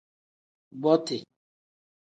Boti.